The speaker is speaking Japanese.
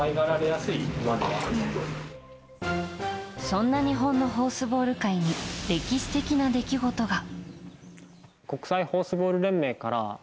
そんな日本のホースボール界に歴史的な出来事が。